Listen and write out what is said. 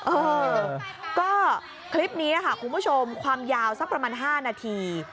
เออก็คลิปนี้ค่ะคุณผู้ชมความยาวสักประมาณ๕นาที